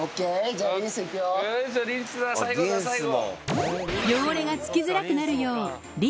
リンスだ最後だ最後。